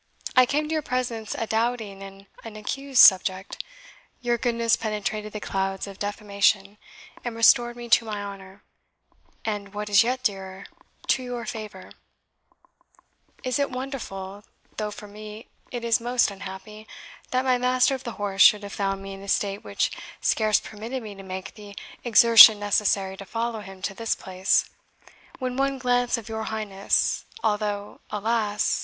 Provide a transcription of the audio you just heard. I came to your presence a doubting and an accused subject; your goodness penetrated the clouds of defamation, and restored me to my honour, and, what is yet dearer, to your favour is it wonderful, though for me it is most unhappy, that my master of the horse should have found me in a state which scarce permitted me to make the exertion necessary to follow him to this place, when one glance of your Highness, although, alas!